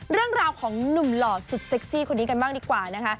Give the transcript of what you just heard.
เรื่องราวของหนุ่มหล่อสุดเซ็กซี่คนนี้กันบ้างดีกว่านะคะ